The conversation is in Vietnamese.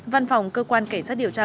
văn phòng cơ quan cảnh sát điều tra